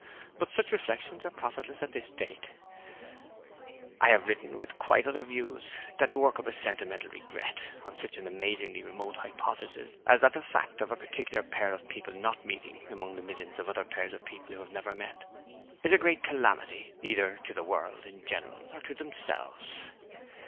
But such reflections are profitless at this date: I have written with quite other views than to work up a sentimental regret on such an amazingly remote hypothesis as that the fact of a particular pair of people not meeting, among the millions of other pairs of people who have never met, is a great calamity either to the world in general or to themselves.